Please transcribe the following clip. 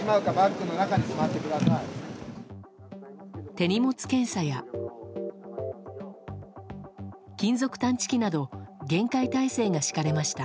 手荷物検査や金属探知機など厳戒態勢が敷かれました。